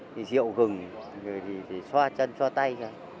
rượu gừng rồi thì xoa chân xoa tay